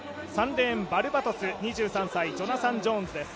３レーン、バルバドス２３歳、ジョナサン・ジョーンズです。